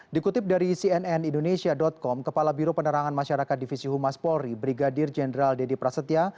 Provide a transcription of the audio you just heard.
dikutip dari cnn indonesia com kepala biro penerangan masyarakat divisi humas polri brigadir jenderal deddy prasetya